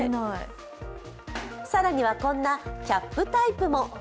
更にはこんなキャップタイプも。